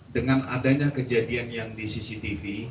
dengan adanya kejadian yang di cctv